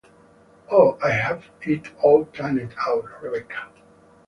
Oh, I have it all planned out, Rebecca.